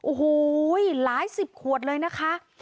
โอ้โหหลายสิบขวดเลยนะคะ